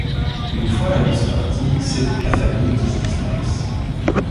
Une fois Alice partie, c’est toute la famille qui se disperse.